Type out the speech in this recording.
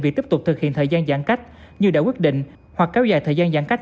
việc tiếp tục thực hiện thời gian giãn cách như đã quyết định hoặc kéo dài thời gian giãn cách